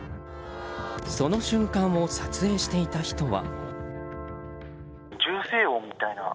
その瞬間を撮影していた人は。